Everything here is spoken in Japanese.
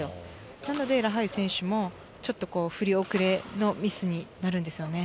なのでラハユ選手もちょっと振り遅れのミスになるんですよね。